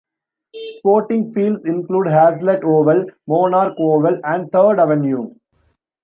Sporting fields include Hazlet Oval, Monarch Oval and Third Avenue.